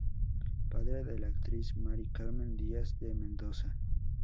Padre de la actriz Mari Carmen Díaz de Mendoza.